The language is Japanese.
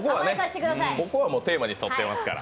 ここはもうテーマに沿ってますから。